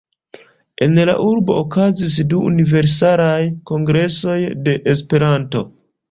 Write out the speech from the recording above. En la urbo okazis du Universalaj Kongresoj de Esperanto.